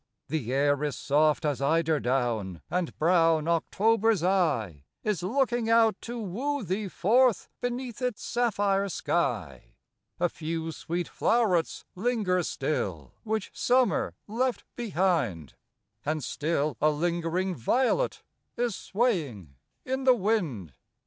The air is soft as eider down ; And brown October's eye Is looking out to woo thee forth Beneath its sapphire sky. AN AUTUMN INVITATION. 115 A few sweet flow'rets linger still, Which Summer left behind ; And still a lingering violet Is swaying in the wind.